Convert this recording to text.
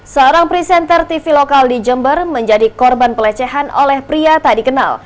seorang presenter tv lokal di jember menjadi korban pelecehan oleh pria tak dikenal